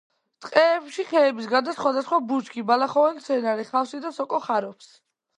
ტყეებში ხეების გარდა, სხვადასხვა ბუჩქი, ბალახოვანი მცენარე, ხავსი და სოკო ხარობს.